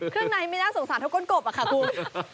เครื่องในไม่น่าสงสารเท่าก้นกบอะค่ะคุณ